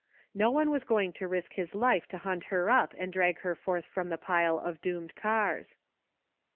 No one was going to risk his life to hunt her up and drag her forth from the pile of doomed cars.